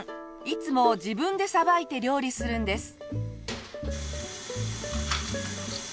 いつも自分でさばいて料理するんです。